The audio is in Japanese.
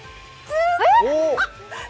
すごーい。